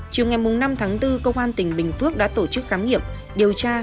chiều ngày năm tháng bốn công an tỉnh bình phước đã tổ chức khám nghiệm điều tra